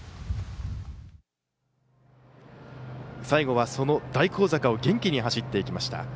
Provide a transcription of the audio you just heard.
最後は、その大高坂を元気に走っていきました。